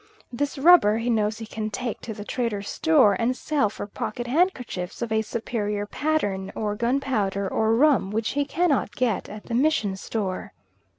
This rubber he knows he can take to the trader's store and sell for pocket handkerchiefs of a superior pattern, or gunpowder, or rum, which he cannot get at the mission store.